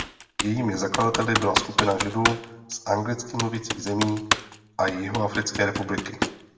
Jejími zakladateli byla skupina Židů z anglicky mluvících zemí a Jihoafrické republiky.